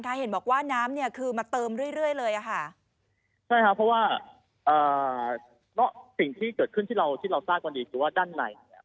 เค้าเห็นบอกว่าน้ำคือมาเติมเรื่อยเลย